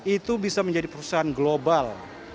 itu bisa menjadi perusahaan global